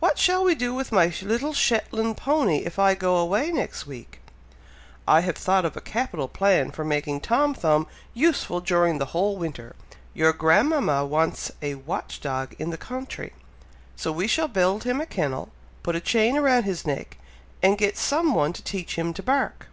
What shall we do with my little Shetland pony if I go away next week?" "I have thought of a capital plan for making Tom Thumb useful during the whole winter! Your grandmama wants a watch dog in the country, so we shall build him a kennel put a chain round his neck, and get some one to teach him to bark."